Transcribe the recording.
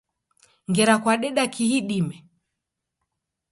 Ngera kwadeka kihi idime?